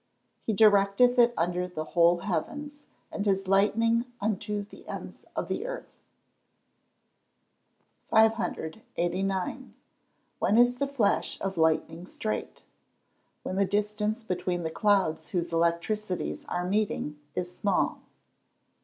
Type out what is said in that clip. [Verse: "He directeth it under the whole heavens, and his lightning unto the ends of the earth."] 589. When is the flash of lightning straight? When the distance between the clouds whose electricities are meeting, is small.